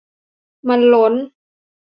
มันล้น